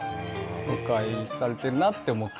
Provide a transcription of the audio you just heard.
誤解されてるなって思って。